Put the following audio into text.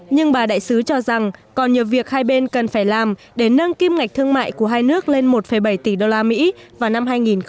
nhưng bà đại sứ cho rằng còn nhiều việc hai bên cần phải làm để nâng kim ngạch thương mại của hai nước lên một bảy tỷ usd vào năm hai nghìn hai mươi